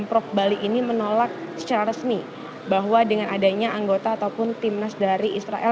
pemprov bali ini menolak secara resmi bahwa dengan adanya anggota ataupun timnas dari israel